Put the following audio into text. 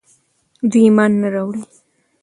دوی ايمان نه راوړي